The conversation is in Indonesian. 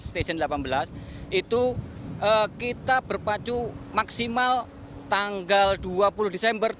stasiun delapan belas itu kita berpacu maksimal tanggal dua puluh desember